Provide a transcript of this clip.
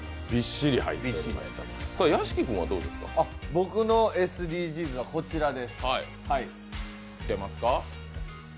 僕のＳＤＧｓはこちらです。